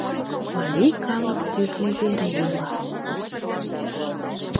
— Марий калык тӱрлӧ вере ила.